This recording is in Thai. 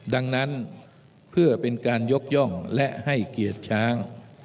ดังนั้นเพื่อเป็นการยกย่องและให้เกียรติช้าง